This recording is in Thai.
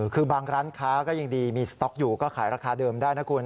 คือบางร้านค้าก็ยังดีมีสต๊อกอยู่ก็ขายราคาเดิมได้นะคุณ